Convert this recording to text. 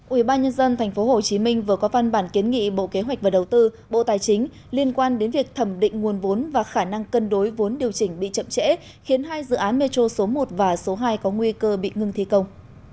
ubnd tp hcm vừa có văn bản kiến nghị bộ kế hoạch và đầu tư bộ tài chính liên quan đến việc thẩm định nguồn vốn và khả năng cân đối vốn điều chỉnh bị chậm trễ khiến hai dự án metro số một và số hai có nguy cơ bị ngừng thi công